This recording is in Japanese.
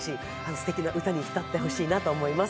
すてきな歌に浸ってほしいなと思います。